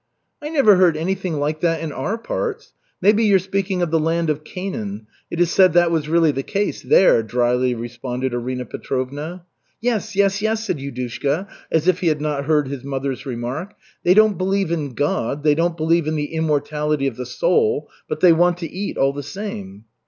"I never heard anything like that in our parts. Maybe you're speaking of the land of Canaan. It is said that was really the case there," drily responded Arina Petrovna. "Yes, yes, yes," said Yudushka, as if he had not heard his mother's remark, "they don't believe in God, they don't believe in the immortality of the soul, but they want to eat all the same."